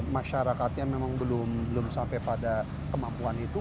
masyarakatnya memang belum sampai pada kemampuan itu